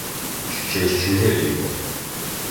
— Щось чуже їде.